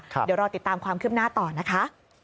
เดี๋ยวรอติดตามความคืบหน้าต่อนะคะ